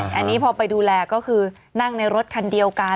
อันนี้พอไปดูแลก็คือนั่งในรถคันเดียวกัน